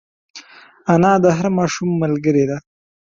انا د هر ماشوم ملګرې ده